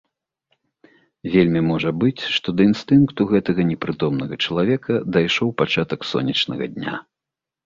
Вельмі можа быць, што да інстынкту гэтага непрытомнага чалавека дайшоў пачатак сонечнага дня.